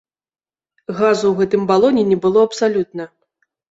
Газу ў гэтым балоне не было абсалютна.